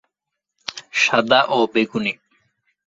সাদা ও বেগুনি।